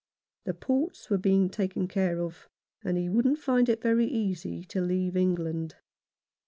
The ports were being taken care of, and he wouldn't find it very easy to leave England.